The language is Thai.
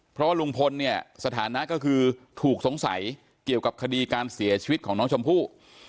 เพราะว่าลุงพลเนี่ยสถานะก็คือถูกสงสัยเกี่ยวกับคดีการเสียชีวิตของน้องชมพู่